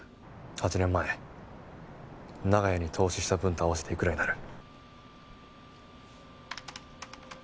８年前長屋に投資した分と合わせていくらになる？